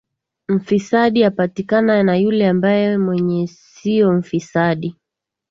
mfisadi apatikana na yule ambaye mwenye sio mfisadi